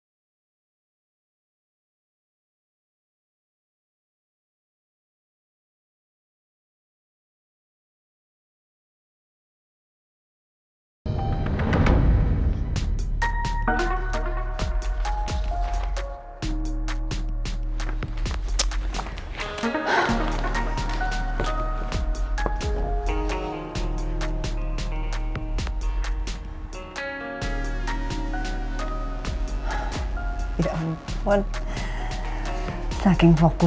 selamat mengalami papa